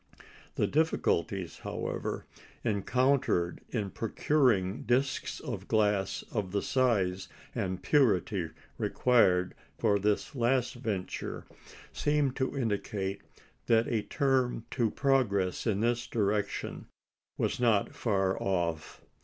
The difficulties, however, encountered in procuring discs of glass of the size and purity required for this last venture seemed to indicate that a term to progress in this direction was not far off.